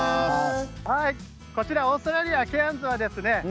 こちらオーストラリアケアンズはですね